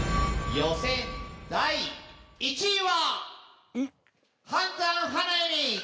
予選第３位は！